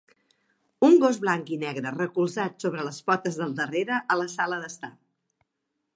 Un gos blanc i negre recolzat sobre les potes del darrere a la sala d'estar.